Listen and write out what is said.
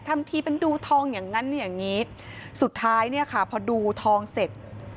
ทำทีเป็นดูทองอย่างงั้นอย่างงี้สุดท้ายเนี่ยค่ะพอดูทองเสร็จ